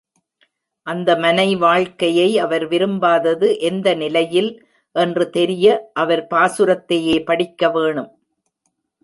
அந்த மனை வாழ்க்கையை அவர் விரும்பாதது எந்த நிலையில் என்று தெரிய அவர் பாசுரத்தையே படிக்கவேணும்.